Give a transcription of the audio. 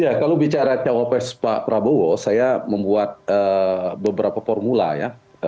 ya kalau bicara cawapres pak prabowo saya membuat beberapa formula ya